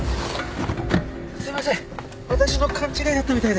すいません私の勘違いだったみたいで。